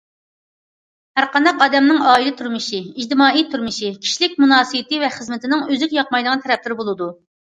ھەرقانداق ئادەمنىڭ ئائىلە تۇرمۇشى، ئىجتىمائىي تۇرمۇشى، كىشىلىك مۇناسىۋىتى ۋە خىزمىتىنىڭ ئۆزىگە ياقمايدىغان تەرەپلىرى بولىدۇ.